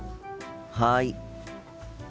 はい。